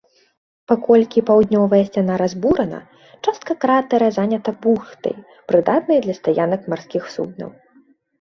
Паколькі паўднёвая сцяна разбурана, частка кратара занята бухтай, прыдатнай для стаянак марскіх суднаў.